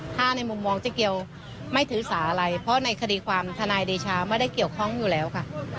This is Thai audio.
ถ้าในมุมมองเจ๊เกียวไม่ถือสาอะไรเพราะในคดีความทนายเดชาไม่ได้เกี่ยวข้องอยู่แล้วค่ะ